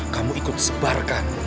kamu ikut sebarkan